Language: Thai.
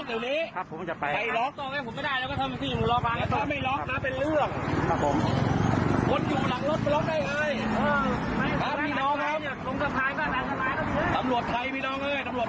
มีน้องนะตำรวจไทยมีน้องเลยตำรวจไทย